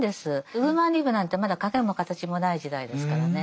ウーマンリブなんてまだ影も形もない時代ですからね。